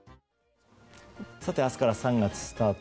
さて明日から３月スタート。